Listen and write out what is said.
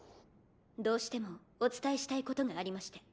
どうしてもお伝えしたいことがありまして。